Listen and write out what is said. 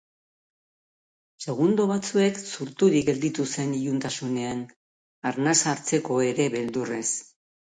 Segundo batzuez zur-turik gelditu zen iluntasunean, arnasa hartzeko ere bel-durrez.